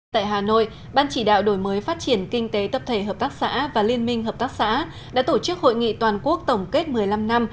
tại hà nội ban chỉ đạo đổi mới phát triển kinh tế tập thể hợp tác xã và liên minh hợp tác xã đã tổ chức hội nghị toàn quốc tổng kết một mươi năm năm